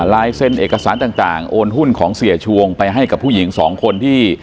ลายเซ็นเอกสารต่างโอนหุ้นของเสียชวงไปให้กับผู้หญิงสองคนที่